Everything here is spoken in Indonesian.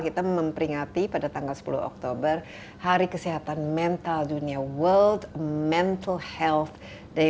kita memperingati pada tanggal sepuluh oktober hari kesehatan mental dunia world mental health day